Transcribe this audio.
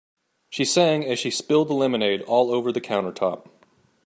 She sang as she spilled lemonade all over the countertop.